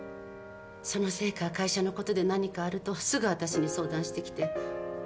そのせいか会社のことで何かあるとすぐ私に相談してきて。